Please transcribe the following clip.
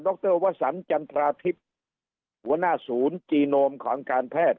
รวสันจันทราทิพย์หัวหน้าศูนย์จีโนมของการแพทย์